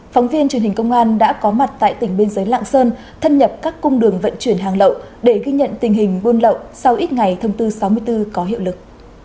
phóng viên truyền hình công an đã có mặt tại tỉnh biên giới lạng sơn thâm nhập các cung đường vận chuyển hàng lậu để ghi nhận tình hình buôn lậu sau ít ngày thông tư sáu mươi bốn có hiệu lực